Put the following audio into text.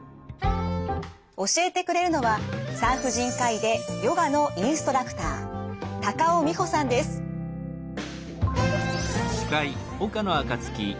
教えてくれるのは産婦人科医でヨガのインストラクター高尾美穂さんです。